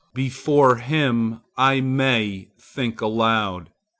Before him I may think aloud.